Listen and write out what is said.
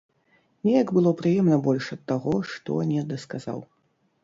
Неяк было прыемна больш ад таго, што не дасказаў.